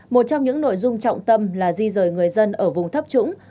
một trong những nội dung trọng tâm là di rời người dân ở vùng thấp trũng